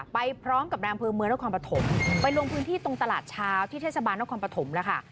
ไปพร้อมกับนายอำเภอเมืองนครปฐมไปลงพื้นที่ตรงตลาดเช้าที่เทศบาลนครปฐมแล้วค่ะ